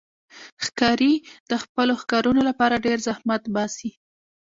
ښکاري د خپلو ښکارونو لپاره ډېر زحمت باسي.